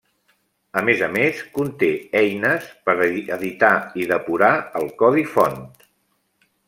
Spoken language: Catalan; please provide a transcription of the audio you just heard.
A més a més conté eines per editar i depurar el codi font.